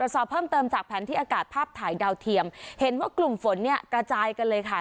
สอบเพิ่มเติมจากแผนที่อากาศภาพถ่ายดาวเทียมเห็นว่ากลุ่มฝนเนี่ยกระจายกันเลยค่ะ